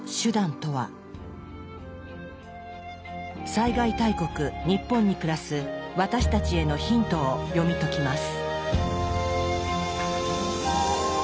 災害大国日本に暮らす私たちへのヒントを読み解きます。